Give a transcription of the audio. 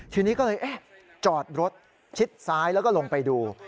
ทีนี้ก็เลยจอดรถชิดซ้ายแล้วก็ลงไปดู